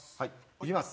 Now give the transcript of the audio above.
行きます！